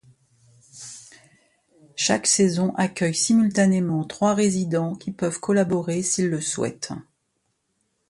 Chaque saison accueille simultanément trois résidents qui peuvent collaborer s'ils le souhaitent.